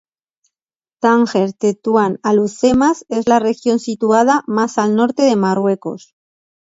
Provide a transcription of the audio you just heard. Tánger-Tetuán-Alhucemas es la región situada más al norte de Marruecos.